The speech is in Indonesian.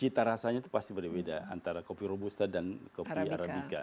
cita rasanya itu pasti berbeda antara kopi robusta dan kopi arabica